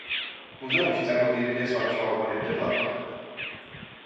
მუზეუმში წარმოდგენილია სხვადასხვა ვაგონები და პლატფორმები.